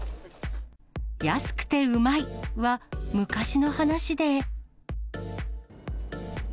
安くてうまいは、昔の話で。